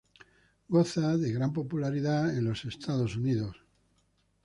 Goza de gran popularidad en los Estados Unidos.